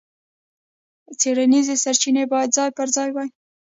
څېړنیزې سرچینې باید ځای پر ځای وای.